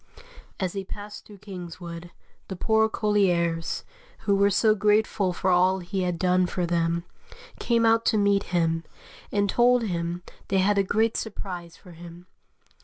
As he passed through Kingswood, the poor colliers, who were so grateful for all he had done for them, came out to meet him, and told him they had a great surprise for him.